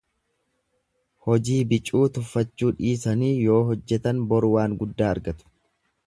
Hojii bicuu tuffachuu dhiisanii yoo hojjetan boru waan guddaa argatu.